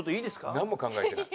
なんも考えてない。